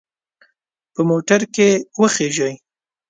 په موټر کې وخیژئ.